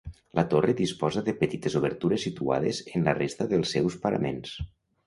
La torre disposa de petites obertures situades en la resta dels seus paraments.